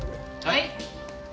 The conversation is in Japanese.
はい！